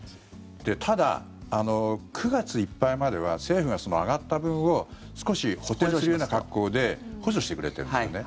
ただ、９月いっぱいまでは政府がその上がった分を少し補てんするような格好で補助してくれてるんですよね。